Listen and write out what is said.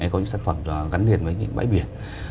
có những sản phẩm gắn liền với những bãi biển